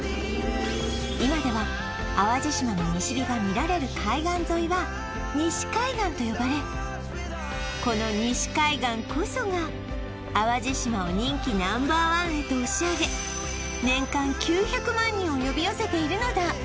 今では淡路島の西日が見られる海岸沿いは西海岸と呼ばれこの西海岸こそが淡路島を人気Ｎｏ．１へと押し上げ年間９００万人を呼び寄せているのだ